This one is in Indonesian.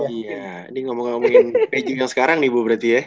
oh iya ini ngomongin pj yang sekarang nih bu berarti ya